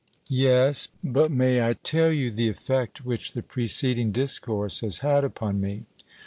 Yes; but may I tell you the effect which the preceding discourse has had upon me?